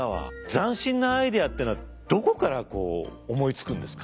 斬新なアイデアっていうのはどこからこう思いつくんですか？